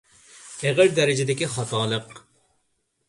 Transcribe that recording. ئېغىر دەرىجىدىكى خاتالىق.